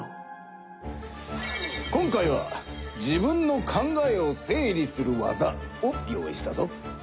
今回は自分の考えを整理する技を用意したぞ。